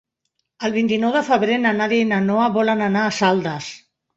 El vint-i-nou de febrer na Nàdia i na Noa volen anar a Saldes.